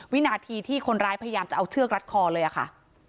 วินาทีที่คนร้ายพยายามจะเอาเชือกรัดคอเลยค่ะ